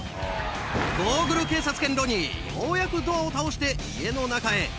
ゴーグル警察犬ロニーようやくドアを倒して家の中へ。